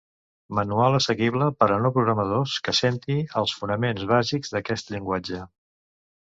Manual assequible per a no programadors que senti els fonaments bàsics d'aquest llenguatge.